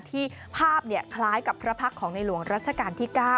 ภาพคล้ายกับพระพักษ์ของในหลวงรัชกาลที่๙